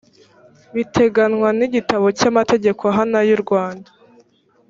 biteganywa n igitabo cy amategeko ahana y urwanda